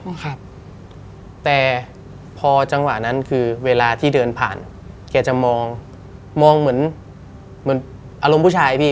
ครับแต่พอจังหวะนั้นคือเวลาที่เดินผ่านแกจะมองมองเหมือนเหมือนอารมณ์ผู้ชายพี่